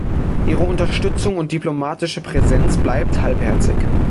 Ihre Unterstützung und diplomatische Präsenz bleibt halbherzig.